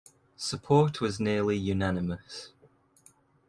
Support was nearly unanimous.